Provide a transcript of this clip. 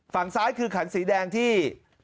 ฝั่งซ้ายคือขันสีแดงที่